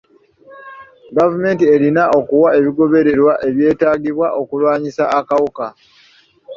Gavumenti erina okuwa ebigoberererwa ebyetaagibwa okulwanyisa akawuka.